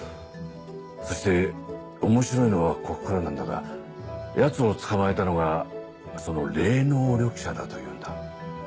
そして面白いのはここからなんだがヤツを捕まえたのがその霊能力者だというんだ。